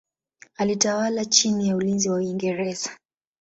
Alitawala chini ya ulinzi wa Uingereza.